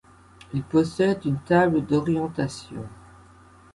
Il possède une table d'orientation.